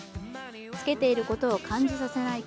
着けていることを感じさせない